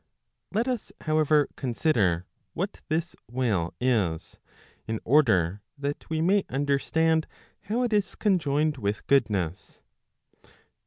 Let us however consider what this will is, in order that we may under¬ stand how it is conjoined with goodness.